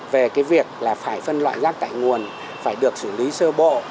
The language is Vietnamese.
về cái việc là phải phân loại rác tại nguồn phải được xử lý sơ bộ